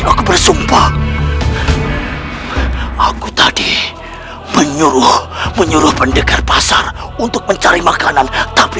aku bersumpah aku tadi menyuruh menyuruh pendekar pasar untuk mencari makanan tapi